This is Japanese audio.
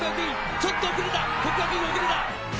ちょっと遅れた、國學院遅れた。